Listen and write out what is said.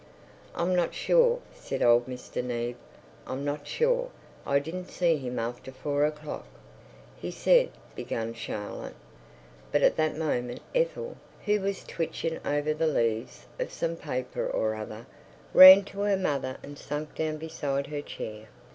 "I'm not sure," said Old Mr. Neave. "I'm not sure. I didn't see him after four o'clock." "He said—" began Charlotte. But at that moment Ethel, who was twitching over the leaves of some paper or other, ran to her mother and sank down beside her chair.